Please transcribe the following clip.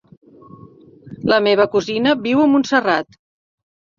La meva cosina viu a Montserrat.